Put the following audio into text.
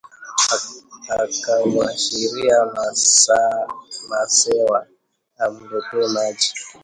Akamwashiria Masewa amletee maji